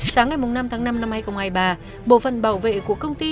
sáng ngày năm tháng năm năm hai nghìn hai mươi ba bộ phần bảo vệ của công ty